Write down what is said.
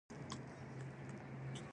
تله د مني رنګونو ته اشاره کوي.